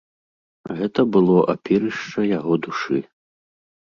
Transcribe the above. Гэта было апірышча яго душы.